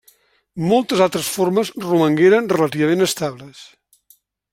Moltes altres formes romangueren relativament estables.